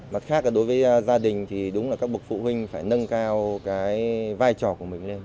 mặt khác đối với gia đình thì đúng là các bậc phụ huynh phải nâng cao cái vai trò của mình lên